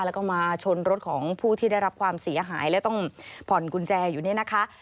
แล้วก็มาชนรถของผู้ที่ได้รับความเสียหายและต้องผ่อนกุญแจอยู่เนี่ยนะคะ